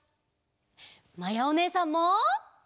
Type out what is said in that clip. まやおねえさんも！